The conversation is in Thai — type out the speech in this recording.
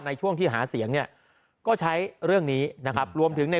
ในช่วงที่หาเสียงเนี่ยก็ใช้เรื่องนี้นะครับรวมถึงใน